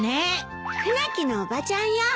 船木のおばちゃんよ。